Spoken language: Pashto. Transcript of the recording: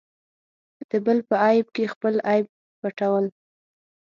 د بل په عیب کې خپل عیب پټول.